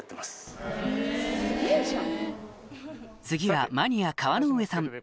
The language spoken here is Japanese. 次はマニア川之上さん